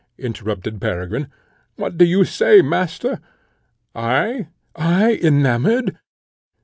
interrupted Peregrine; "what do you say, Master? I, I enamoured!"